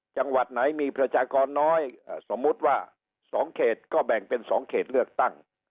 จังหวัดไหนมีประชากรน้อยสมมุติว่า๒เขตก็แบ่งเป็น๒เขตเลือกตั้ง